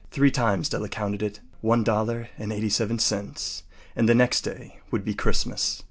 Three times Della counted it. One dollar and eighty seven cents. And the next day would be Christmas.